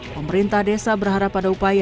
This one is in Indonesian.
pemerintah desa berharap ada upaya